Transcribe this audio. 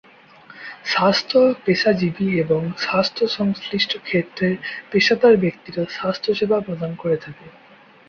স্বাস্থ্য পেশাজীবী এবং স্বাস্থ্য-সংশ্লিষ্ট ক্ষেত্রের পেশাদার ব্যক্তিরা স্বাস্থ্যসেবা প্রদান করে থাকে।